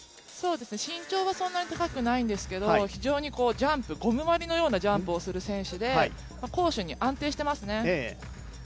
身長はそんなに高くないんですけど、ゴムまりのようなジャンプをする選手で攻守に安定していますね。